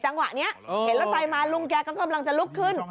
จังหวะนี้เห็นรถไฟมาลุงแกก็กำลังจะลุกขึ้น